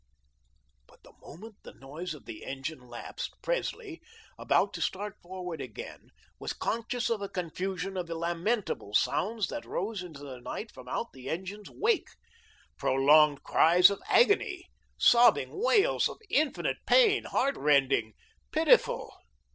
But the moment the noise of the engine lapsed, Presley about to start forward again was conscious of a confusion of lamentable sounds that rose into the night from out the engine's wake. Prolonged cries of agony, sobbing wails of infinite pain, heart rending, pitiful.